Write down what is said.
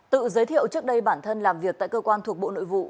tự giới thiệu trước đây bản thân làm việc tại cơ quan thuộc bộ nội vụ